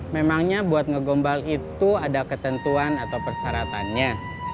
memangnya buat ngegombal itu ada ketentuan atau persyaratannya